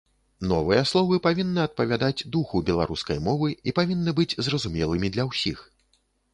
Новыя словы павінны адпавядаць духу беларускай мовы і павінны быць зразумелымі для ўсіх.